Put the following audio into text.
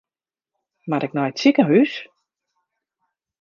Moat ik nei it sikehús?